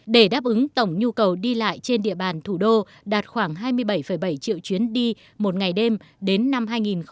để đáp ứng tổng nhu cầu đi lại trên địa bàn thủ đô đạt khoảng hai mươi bảy bảy triệu chuyến đi một ngày đêm đến năm hai nghìn hai mươi